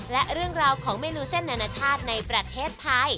และเรื่องราวของเมนูเส้นนานาชาติในประเทศไทย